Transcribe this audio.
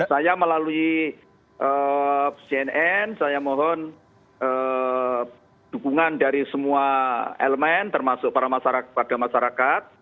saya melalui cnn saya mohon dukungan dari semua elemen termasuk para masyarakat